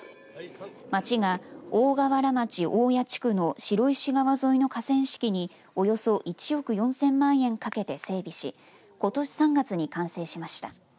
町が大川原町大谷地区の白石川沿いの河川敷におよそ１億４０００万円かけて整備しことし３月に完成しました。